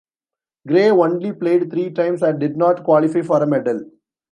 Gray only played three times and did not qualify for a medal.